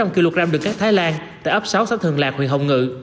bốn trăm linh kg đường cát thái lan tại ấp sáu sách thường lạc huyện hồng ngự